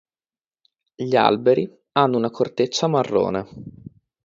Gli alberi hanno una corteccia marrone.